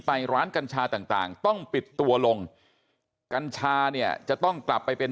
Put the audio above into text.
ไปร้านกัญชาต่างต่างต้องปิดตัวลงกัญชาเนี่ยจะต้องกลับไปเป็น